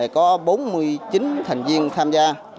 có bốn mươi chín thành viên tham gia